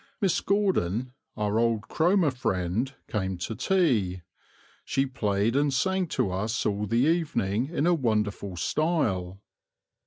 Miss Gordon, our old Cromer friend, came to tea: she played and sang to us all the evening in a wonderful style.